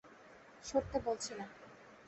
সরতে বলছি না!